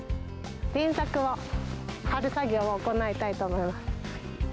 電柵を張る作業を行いたいと思います。